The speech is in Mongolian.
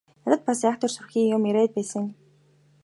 Надад бас айхавтар сүрхий юм яриад л байсан.